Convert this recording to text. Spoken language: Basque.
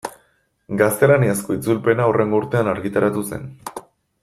Gaztelaniazko itzulpena hurrengo urtean argitaratu zen.